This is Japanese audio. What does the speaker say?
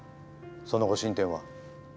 その後進展は？